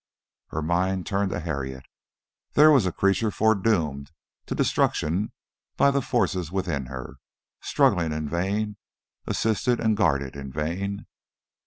Her mind turned to Harriet. There was a creature foredoomed to destruction by the forces within her, struggling in vain, assisted and guarded in vain.